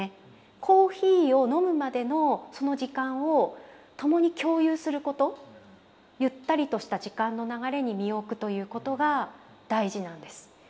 コーヒーを飲むまでのその時間を共に共有することゆったりとした時間の流れに身を置くということが大事なんです。